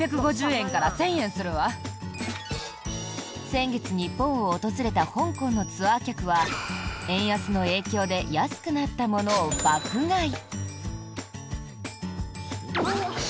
先月、日本を訪れた香港のツアー客は円安の影響で安くなったものを爆買い。